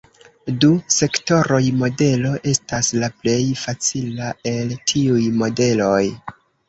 Du-sektoroj-modelo estas la plej facila el tiuj modeloj.